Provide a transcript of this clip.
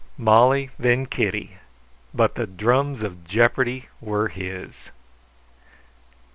Molly, then Kitty; but the drums of jeopardy were his!